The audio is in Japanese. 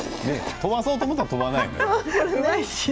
飛ばそうと思うと飛ばない。